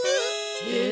えっ？